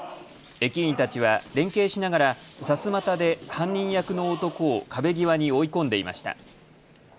駅員たちは連携しながらさすまたで犯人役の男を壁際に追い込んでいました。